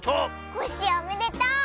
コッシーおめでとう！